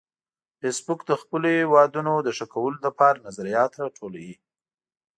فېسبوک د خپلو هیوادونو د ښه کولو لپاره نظریات راټولوي